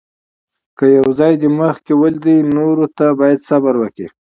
که یو ځای دې مخکې ولید، نورو ته باید صبر وکړې.